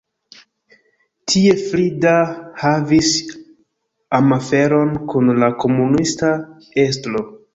Tie Frida havis amaferon kun la komunista estro.